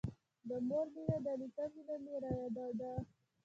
د مور مينه د نيکه مينه مې رايادېده.